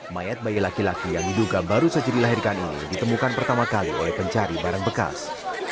mayat bayi laki laki yang diduga baru saja dilahirkan ini ditemukan pertama kali oleh pencari barang bekas